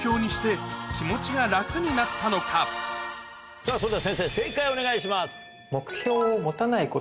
さぁそれでは先生正解をお願いします。